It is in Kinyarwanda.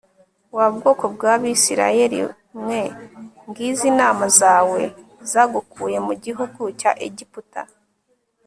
Wa bwoko bwAbisirayeli mwe ngizo inama zawe zagukuye mu gihugu cya Egiputa